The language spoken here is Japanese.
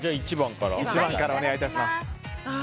１番からお願い致します。